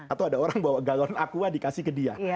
atau ada orang bawa galon aqua dikasih ke dia